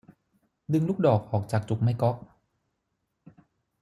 ดึงลูกดอกออกจากจุกไม้ก๊อก